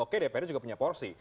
oke dpr juga punya porsi